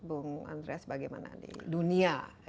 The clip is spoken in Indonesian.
bung andreas bagaimana di dunia